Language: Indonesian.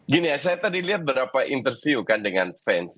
gini ya saya tadi lihat beberapa interview kan dengan fans